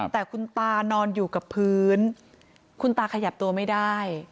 แต่คุณตานอนอยู่กับพื้นคุณตาขยับตัวไม่ได้